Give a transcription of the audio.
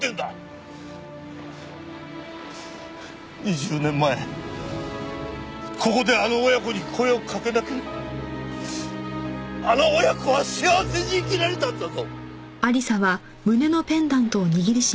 ２０年前ここであの親子に声をかけなければあの親子は幸せに生きられたんだぞ！